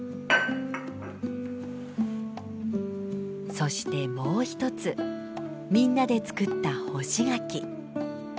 そしてもう一つみんなで作った干し柿。